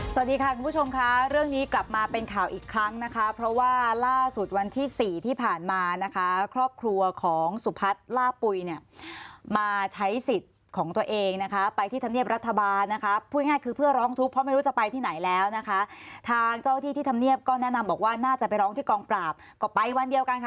สวัสดีค่ะคุณผู้ชมค่ะเรื่องนี้กลับมาเป็นข่าวอีกครั้งนะคะเพราะว่าล่าสุดวันที่สี่ที่ผ่านมานะคะครอบครัวของสุพัฒน์ล่าปุ๋ยเนี่ยมาใช้สิทธิ์ของตัวเองนะคะไปที่ธรรมเนียบรัฐบาลนะคะพูดง่ายคือเพื่อร้องทุกข์เพราะไม่รู้จะไปที่ไหนแล้วนะคะทางเจ้าที่ที่ธรรมเนียบก็แนะนำบอกว่าน่าจะไปร้องที่กองปราบก็ไปวันเดียวกันค่ะ